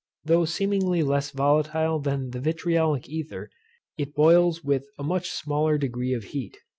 Though seemingly less volatile than the vitriolic ether, it boils with a much smaller degree of heat.